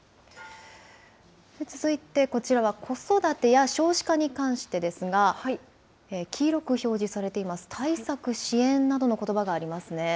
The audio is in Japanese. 続いてこちらは、子育てや少子化に関してですが、黄色く表示されています、対策、支援などのことばがありますね。